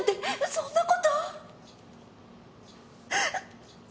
そんな事。